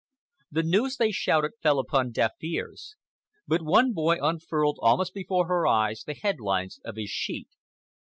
The news they shouted fell upon deaf ears, but one boy unfurled almost before her eyes the headlines of his sheet.